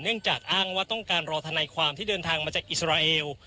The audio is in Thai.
จากอ้างว่าต้องการรอธนายความที่เดินทางมาจากอิสราเอล